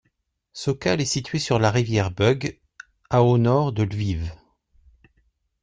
Sokal est située sur la rivière Bug, à au nord de Lviv.